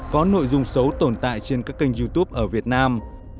có nội dung xấu tồn tại trên các kênh youtube ở việt nam